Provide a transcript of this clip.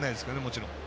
もちろん。